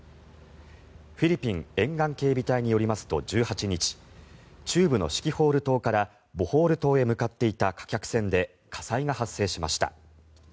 フィリピン沿岸警備隊によりますと、１８日中部のシキホール島からボホール島へ向かっていた貨客船で火災が発生しました。